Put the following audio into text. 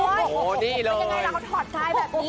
เป็นยังไงล่ะเขาถอดซ้ายแบบนี้